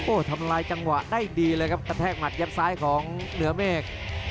ทำลายจังหวะได้ดีเลยครับกระแทกหัดยับซ้ายของเหนือเมฆ